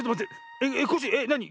えっコッシーなに？